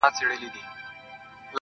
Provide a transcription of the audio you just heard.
هسې سترگي پـټـي دي ويــــده نــه ده~